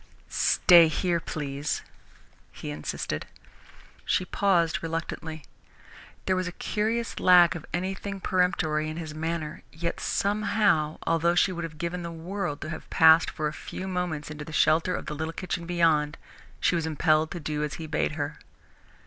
"Stay here, please," he insisted. She paused reluctantly. There was a curious lack of anything peremptory in his manner, yet somehow, although she would have given the world to have passed for a few moments into the shelter of the little kitchen beyond, she was impelled to do as he bade her.